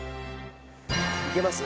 いけます？